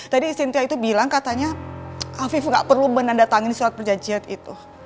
tadi sintia itu bilang katanya afif gak perlu menandatangani surat perjanjian itu